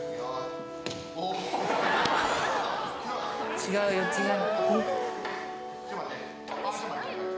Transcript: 違うよ、違う。